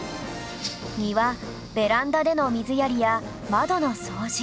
庭ベランダでの水やりや窓の掃除